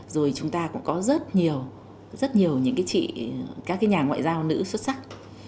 rồi chúng ta cũng có rất nhiều rất nhiều những cái chị các cái nhà ngoại giao nữ xuất sắc